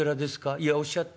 いやおっしゃって。